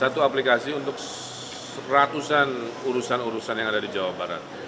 satu aplikasi untuk ratusan urusan urusan yang ada di jawa barat